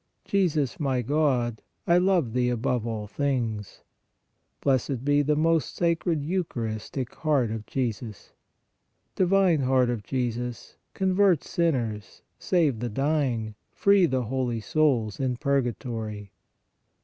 Jesus, my God, I love Thee above all things. Blessed be the most Sacred Eucharistic Heart of Jesus! Divine Heart of Jesus, convert sinners, save the dying, free the holy souls in purgatory.